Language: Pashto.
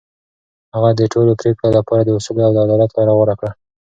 هغه د ټولو پرېکړو لپاره د اصولو او عدالت لار غوره کړه.